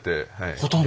ほとんど？